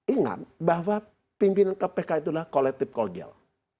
ingat bahwa pimpinan kpk itulah kolektif kol gel